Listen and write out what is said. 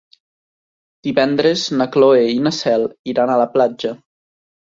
Divendres na Cloè i na Cel iran a la platja.